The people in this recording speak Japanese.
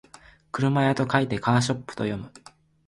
車屋と書いてカーショップと読む